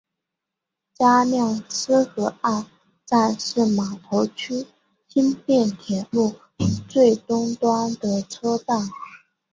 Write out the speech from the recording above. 加量斯河岸站是码头区轻便铁路最东端的车站。